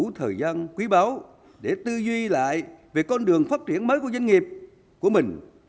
đủ thời gian quý báu để tư duy lại về con đường phát triển mới của doanh nghiệp của mình